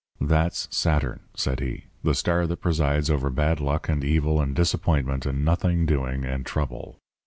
"'That's Saturn,' said he, 'the star that presides over bad luck and evil and disappointment and nothing doing and trouble.